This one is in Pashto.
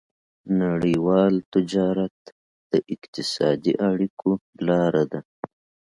نړيوال تجارت د اقتصادي اړیکو لاره ده.